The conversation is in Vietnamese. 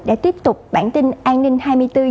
để tiếp tục bản tin an ninh hai mươi bốn h